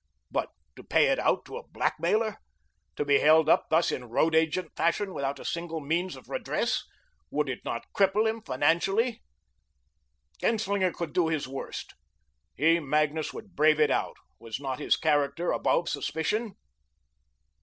But to pay it out to a blackmailer! To be held up thus in road agent fashion, without a single means of redress! Would it not cripple him financially? Genslinger could do his worst. He, Magnus, would brave it out. Was not his character above suspicion?